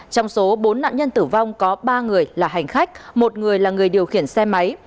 trong số bốn nạn nhân tử vong có ba người là hành khách một người là người điều khiển xe máy